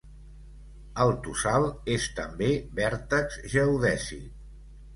El tossal és també Vèrtex geodèsic.